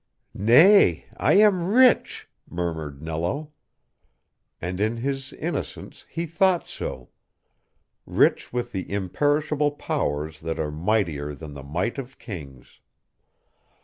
"Nay, I am rich," murmured Nello; and in his innocence he thought so rich with the imperishable powers that are mightier than the might of kings.